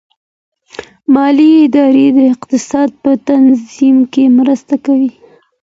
مالي ادارې د اقتصاد په تنظیم کي مرسته کوي.